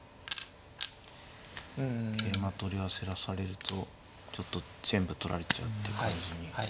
桂馬取り焦らされるとちょっと全部取られちゃうって感じに。